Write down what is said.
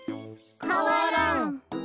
かわらん。